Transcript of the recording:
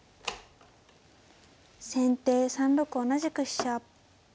先手３六同じく飛車。